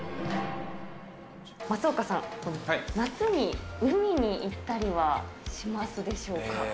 松岡さん、夏に海に行ったりはしますでしょうか。